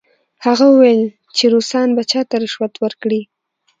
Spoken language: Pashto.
هغه وویل چې روسان به چا ته رشوت ورکړي؟